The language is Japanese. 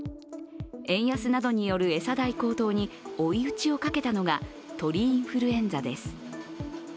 円安などによる餌代高騰に追い打ちをかけたのが鳥インフルエンザです。